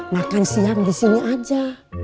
makan siang disini aja